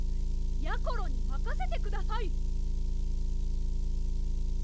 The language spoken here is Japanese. やころにまかせてください！